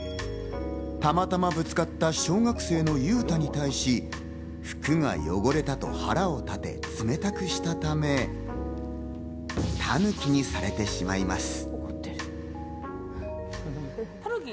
たまたまぶつかった小学生のユウタに対し、服が汚れたと腹を立て、冷たくしたため、タヌキにされてしまいます。